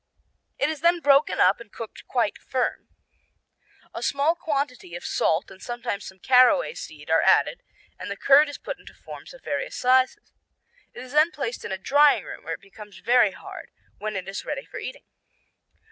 It is then broken up and cooked quite firm. A small quantity of salt and sometimes some caraway seed are added, and the curd is put into forms of various sizes. It is then placed in a drying room, where it becomes very hard, when it is ready for eating."